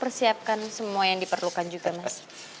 persiapkan semua yang diperlukan juga mas